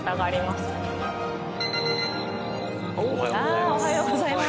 ああおはようございます。